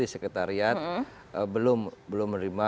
sekretariat belum menerima